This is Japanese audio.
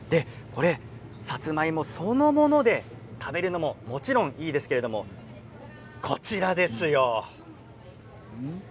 さつまいもそのもので食べるのももちろんいいですけれどもこちらですよ。